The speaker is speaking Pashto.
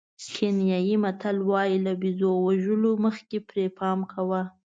کینیايي متل وایي له بېزو وژلو مخکې پرې پام کوه.